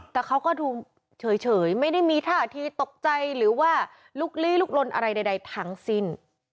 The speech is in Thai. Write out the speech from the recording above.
แต่เขาก็ดูเฉยไม่ได้มีท่าทีตกใจหรือว่าลุกลี้ลุกลนอะไรใดทั้งสิ้น